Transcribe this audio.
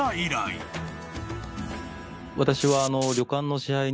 私は。